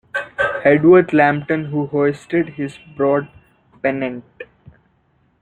Hedworth Lambton, who hoisted his broad pennant.